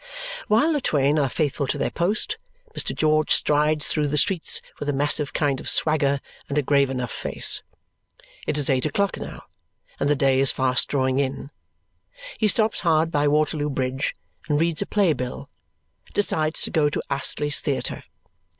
While the twain are faithful to their post, Mr. George strides through the streets with a massive kind of swagger and a grave enough face. It is eight o'clock now, and the day is fast drawing in. He stops hard by Waterloo Bridge and reads a playbill, decides to go to Astley's Theatre.